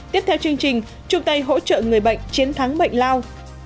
tiếp theo chương trình chung tay hỗ trợ người bệnh chiến thắng bệnh lao